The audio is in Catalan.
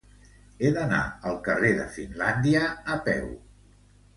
He d'anar al carrer de Finlàndia a peu.